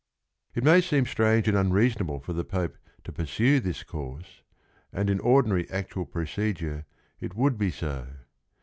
It may seem strange and unreasonable for the Pope to pursue this course, and in ordinary, actual procedure it would be so.